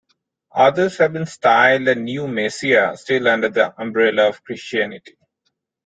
Others have been styled a new messiah still under the umbrella of Christianity.